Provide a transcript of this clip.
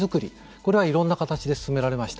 これはいろんな形で進められました。